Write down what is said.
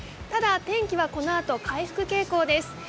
ただ、天気はこのあと回復傾向です。